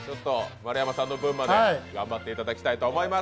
丸山さんの分まで頑張っていただきたいと思います。